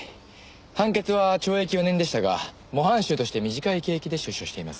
判決は懲役４年でしたが模範囚として短い刑期で出所しています。